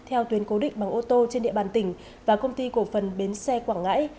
theo tuyến cố định bằng ô tô trên địa bàn tỉnh và công ty cổ phần bến xe quảng ngãi